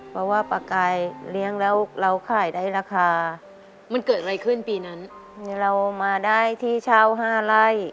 เพราะว่าปลากายเลี้ยงแล้วเราขายได้ราคามันเกิดอะไรขึ้นปีนั้นเรามาได้ที่เช่า๕ไร่